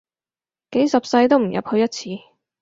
幾十世都唔入去一次